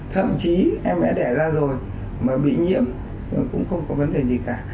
thậm chí em đã đẻ ra rồi mà bị nhiễm cũng không có vấn đề gì cả